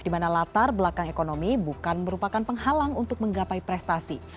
di mana latar belakang ekonomi bukan merupakan penghalang untuk menggapai prestasi